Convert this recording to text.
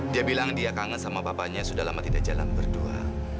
dia bilang dia kangen sama bapaknya sudah lama tidak jalan berdua